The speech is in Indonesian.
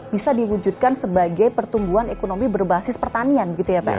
bisa diwujudkan sebagai pertumbuhan ekonomi berbasis pertanian begitu ya pak